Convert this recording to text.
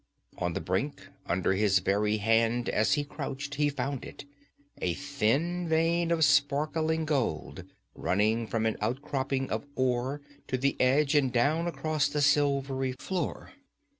On the brink, under his very hand as he crouched, he found it, a thin vein of sparkling gold running from an outcropping of ore to the edge and down across the silvery floor.